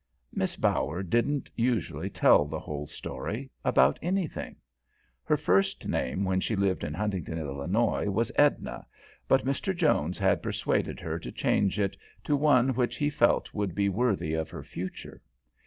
Miss Bower didn't usually tell the whole story, about anything. Her first name, when she lived in Huntington, Illinois, was Edna, but Mr. Jones had persuaded her to change it to one which he felt would be worthy of her future.